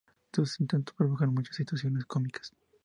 Sus intentos provocan muchas situaciones cómicas.